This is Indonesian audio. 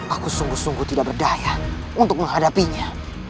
aku sungguh sungguh tidak berdaya untuk menghadapinya